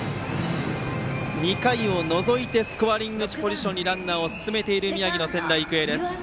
２回を除いてスコアリングポジションにランナーを進めている宮城の仙台育英です。